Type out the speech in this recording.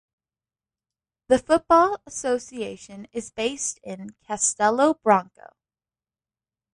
The Football Association is based in Castelo Branco.